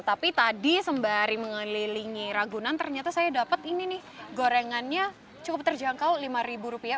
tapi tadi sembari mengelilingi ragunan ternyata saya dapat ini nih gorengannya cukup terjangkau lima ribu rupiah